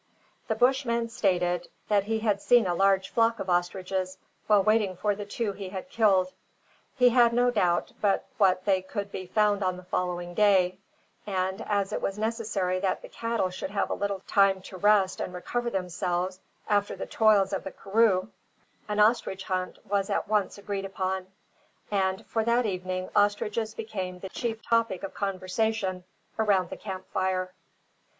The Bushman stated that he had seen a large flock of ostriches while waiting for the two he had killed. He had no doubt but what they could be found on the following day; and, as it was necessary that the cattle should have a little time to rest and recover themselves after the toils of the karroo, an ostrich hunt was at once agreed upon, and for that evening ostriches became the chief topic of conversation around the camp fire.